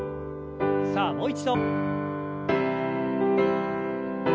さあもう一度。